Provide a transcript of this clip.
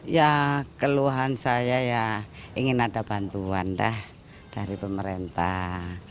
ya keluhan saya ya ingin ada bantuan dah dari pemerintah